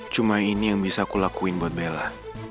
cuma ini yang bisa aku lakuin buat bella